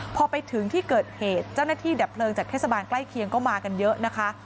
พอไปถึงที่เกิดเหตุเจ้าหน้าที่ดับเพลิงจากเทศบาลใกล้เคียงก็มากันเยอะนะคะ